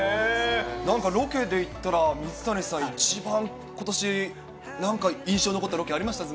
なんかロケでいったら、水谷さん、一番ことし、なんか印象に残ったロケありました？